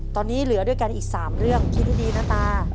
ตอนนี้เหลือด้วยกันอีก๓เรื่องคิดให้ดีนะตา